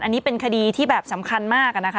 อันนี้เป็นคดีที่แบบสำคัญมากนะคะ